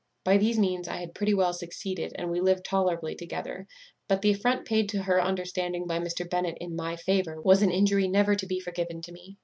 By these means I had pretty well succeeded, and we lived tolerably together; but the affront paid to her understanding by Mr. Bennet in my favour was an injury never to be forgiven to me.